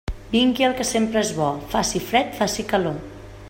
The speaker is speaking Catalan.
Vingui el que sempre és bo, faci fred, faci calor.